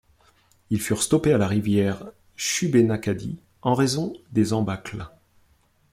Ils furent stoppés à la rivière Shubénacadie, en raison des embâcles.